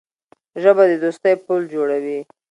ژبه د دوستۍ پُل جوړوي